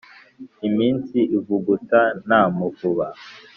Iminsi ivuguta nta muvuba.